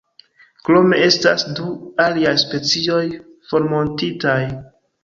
Krome estas du aliaj specioj formortintaj.